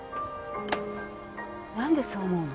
なんでそう思うの？